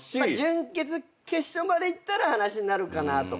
準決決勝まで行ったら話になるかなとか。